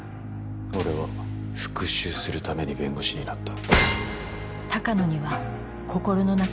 俺は復讐するために弁護士になった。